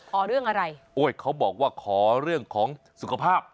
ขอเรื่องอะไรโอ้ยเขาบอกว่าขอเรื่องของสุขภาพ